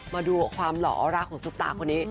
มาดูความหล่ออาราคุณสุฟตาคนนี้